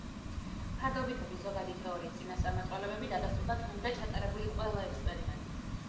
ფარდობითობის ზოგადი თეორიის წინასწარმეტყველებები დადასტურდა დღემდე ჩატარებული ყველა ექსპერიმენტით.